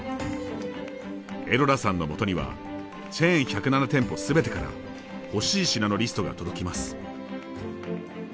エロラさんのもとにはチェーン１０７店舗すべてから欲しい品のリストが届きます。